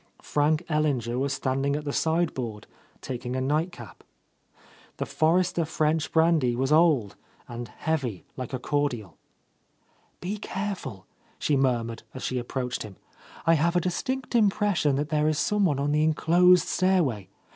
Frank Ellinger was stand ing at the sideboard, taking a nightcap. The Forrester French brandy was old, and heavy like a cordial. "Be careful," she murmured as she ap proached him, "I have a distinct impression that there is some one on the enclosed stairway.